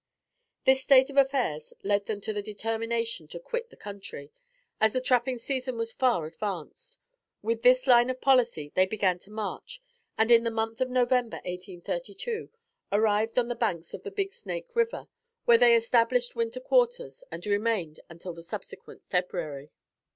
This state of affairs led them to the determination to quit the country, as the trapping season was far advanced. With this line of policy they began the march; and, in the month of November, 1832, arrived on the banks of the Big Snake River where they established winter quarters and remained until the subsequent February.